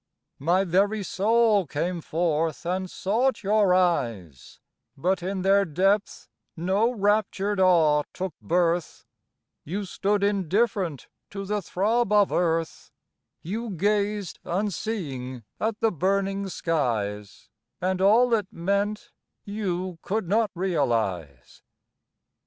My very soul came forth and sought your eyes, But in their depth no raptured awe took birth, You stood indifferent to the throb of earth, You gazed unseeing at the burning skies, And all it meant you could not realize!